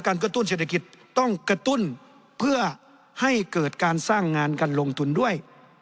กระตุ้นเศรษฐกิจต้องกระตุ้นเพื่อให้เกิดการสร้างงานการลงทุนด้วย